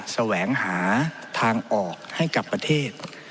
แสวงหาทางออกให้กับประเทศ